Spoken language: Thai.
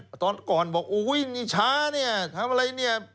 ป่าวก่อนบอกโอ้โหยช้าเนี่ยทำอะไรเนี่ย